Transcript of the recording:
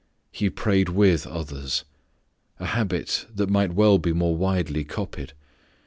He prayed with others: A habit that might well be more widely copied.